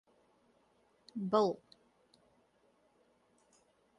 Bill.